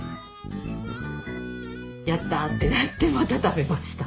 やった！ってなってまた食べました。